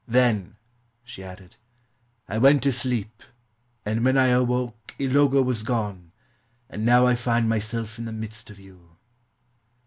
Then," she added, "I went to sleep, and when I awoke Ilogo was gone, and now I find myself in the midst of you."